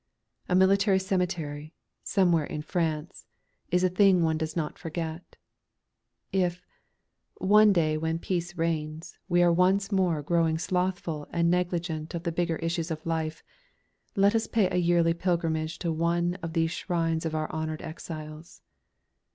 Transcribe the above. A military cemetery "Somewhere in France" is a thing one does not forget. If, one day when peace reigns, we are once more growing slothful and negligent of the bigger issues of life, let us pay a yearly pilgrimage to one of these shrines of our honoured exiles.